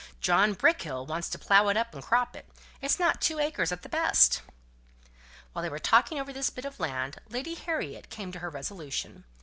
John Brickkill wants to plough it up and crop it. It's not two acres at the best." While they were talking over this bit of land, Lady Harriet came to her resolution.